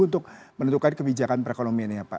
untuk menentukan kebijakan perekonomiannya pak